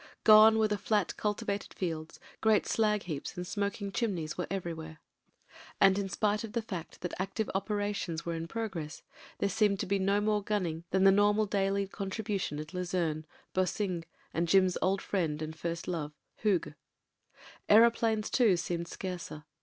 Gone were the flat, cultivated fields ; great slag heaps and smoking chimneys were everjrwhere. And 298 MEN, WOMEN AND GUNS in spite of the fact that active operations were is progress, there seemed to be no more gimning tban the normal daily contribution at Lizeme, Boesingt, and Jim's old friend and first love, Hooge. Aeroplanes, too, seemed scarcer.